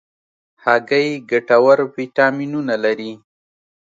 هګۍ ګټور ویټامینونه لري.